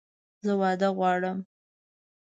زه واده غواړم!